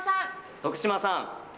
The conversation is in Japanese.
徳島さん。